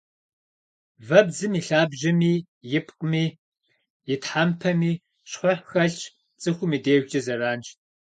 Вэбдзым и лъабжьэми, и пкъыми, и тхьэмпэми щхъухь хэлъщ, цӏыхум и дежкӏэ зэранщ.